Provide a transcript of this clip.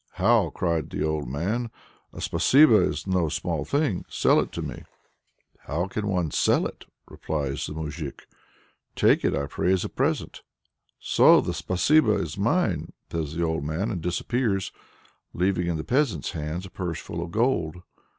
"How!" cries the old man. "A spasibo is no small thing. Sell it to me!" "How can one sell it?" replies the moujik. "Take it pray, as a present!" "So the spasibo is mine!" says the old man, and disappears, leaving in the peasant's hands a purse full of gold.